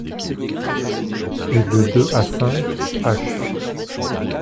et de deux à cinq h.